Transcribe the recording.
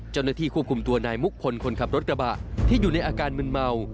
เจ้าหน้าที่ควบคุมตัวนายมุกพลคนขับรถกระบะที่อยู่ในอาการมึนเมา